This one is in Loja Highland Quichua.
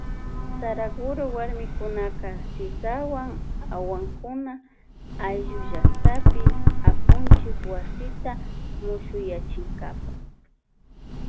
Saraguro warmikunaka sisawan awankuna ayllu llaktapi apunchik wasita mushuyachinkapa.